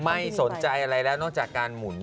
ไม่สนใจอะไรแล้วนอกจากการหมุน